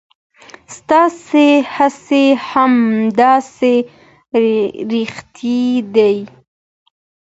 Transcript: ستاسې هڅې هم داسې ریښې دي.